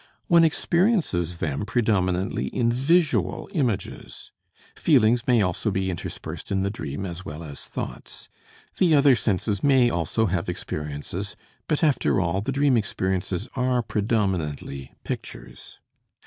One experiences them predominantly in visual images; feelings may also be interspersed in the dream as well as thoughts; the other senses may also have experiences, but after all the dream experiences are predominantly pictures.